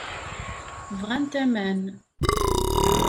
Bɣant aman.